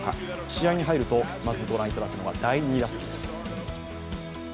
試合に入ると、まず御覧いただくのは第２打席です。